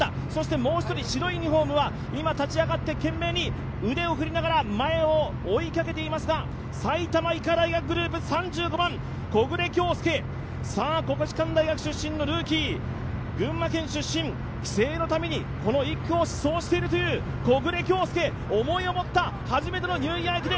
もう１人、白いユニフォームは今立ち上がって懸命に前を追いかけていますが、埼玉医科大学グループ、３５番、木榑杏祐、国士舘大学出身のルーキー、群馬県出身、帰省のたびにこの１区を試走しているという木榑杏祐、思いを持った初めてのニューイヤー駅伝。